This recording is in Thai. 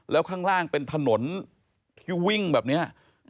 แล้วข้างล่างเป็นถนนที่วิ่งแบบนี้